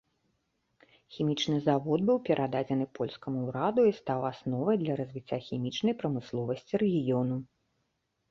Хімічны завод быў перададзены польскаму ўраду і стаў асновай для развіцця хімічнай прамысловасці рэгіёну.